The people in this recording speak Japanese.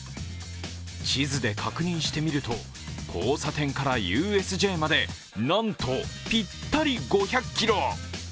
地図で確認してみると交差点からＵＦＪまでなんと、ぴったり５００ｋｍ！